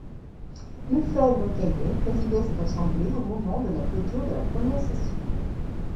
Lefebvre-Cayet présidait cette assemblé au moment de la clôture de la première session.